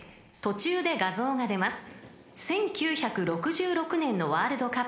途中で画像が出ます］